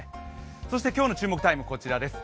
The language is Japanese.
そして今日の注目タイム、こちらです。